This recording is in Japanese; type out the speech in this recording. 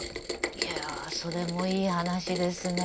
いやそれもいい話ですねぇ。